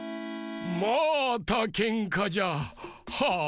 またけんかじゃ。はあ。